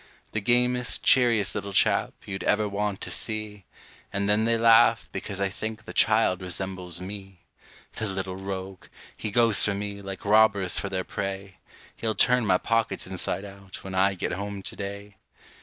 The gamest, cheeriest little chap, you'd ever want to see! And then they laugh, because I think the child resembles me. The little rogue! he goes for me, like robbers for their prey; He'll turn my pockets inside out, when I get home to day.